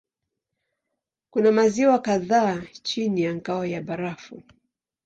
Kuna maziwa kadhaa chini ya ngao ya barafu.